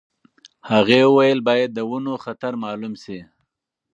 هغې وویل باید د ونو خطر مالوم شي.